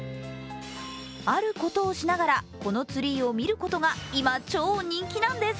あることをしながらこのツリーを見ることが今、超人気なんです。